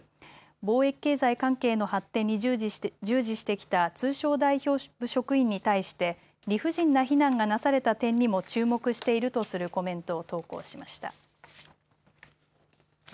貿易経済関係の発展に従事してきた通商代表部職員に対して理不尽な非難がなされた点にも注目しているとするコメントを投稿しました。